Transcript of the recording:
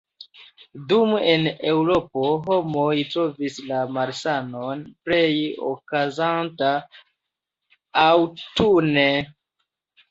Dum en Eŭropo, homoj trovis la malsanon plej okazanta aŭtune.